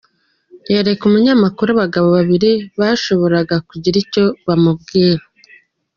Yereka umunyamakuru abagabo babiri bashoboraga kugira icyo bamubwira.